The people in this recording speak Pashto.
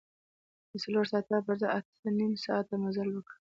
د څلور ساعته پر ځای اته نیم ساعته مزل وکړ.